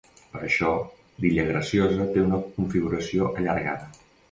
Per això l'illa Graciosa té una configuració allargada.